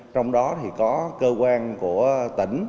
trong đó có cơ quan của tỉnh